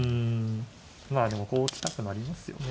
まあでもこう来たくなりますよね